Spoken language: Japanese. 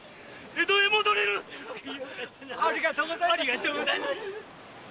ありがとうございます！